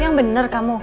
yang bener kamu